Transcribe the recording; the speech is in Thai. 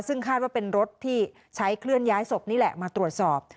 ซึ่งคาดว่าเป็นรถที่ใช้เคลื่อนย้ายศพนี่แหละมาตรวจสอบ